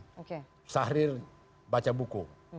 soekarno tahrir baca buku